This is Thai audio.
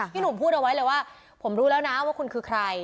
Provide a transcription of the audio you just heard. หนุ่มพูดเอาไว้เลยว่าผมรู้แล้วนะว่าคุณคือใคร